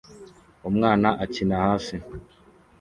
Umwana akina hasi